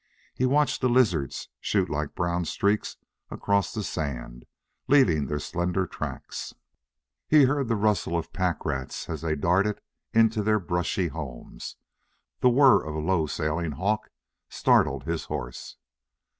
He watched the lizards shoot like brown streaks across the sand, leaving their slender tracks; he heard the rustle of pack rats as they darted into their brushy homes; the whir of a low sailing hawk startled his horse.